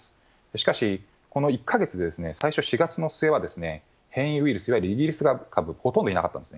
しかし、この１か月、最初、４月の末は変異ウイルスである、いわゆるイギリス株ほとんどいなかったんです。